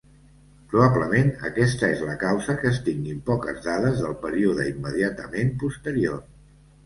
Probablement aquesta és la causa que es tinguin poques dades del període immediatament posterior.